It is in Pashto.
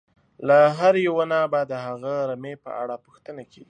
له هر یوه نه به د هغه رمې په اړه پوښتنه کېږي.